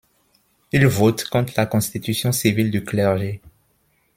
Il vote contre la Constitution civile du clergé.